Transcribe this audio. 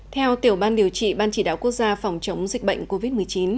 theo tiểu ban điều trị ban chỉ đạo quốc gia phòng chống dịch bệnh covid một mươi chín